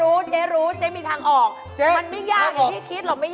โอ้ยเจ๊พูดใช่นี่นี่ไปกินอันนี้นี่จะทำไม